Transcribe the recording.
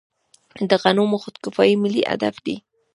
د غنمو خودکفايي ملي هدف دی.